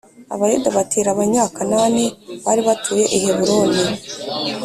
Abayuda batera Abanyakanani bari batuye i Heburoni